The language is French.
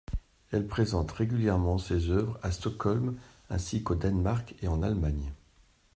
Elle présente régulièrement ses œuvres à Stockholm, ainsi qu'au Danemark et en Allemagne.